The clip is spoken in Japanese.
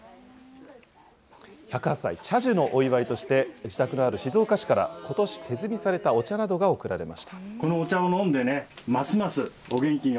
１０８歳、茶寿のお祝いとして、自宅のある静岡市からことし、手摘みされたお茶などが贈られました。